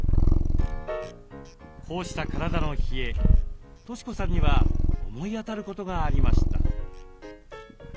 こうした体の冷え俊子さんには思い当たることがありました。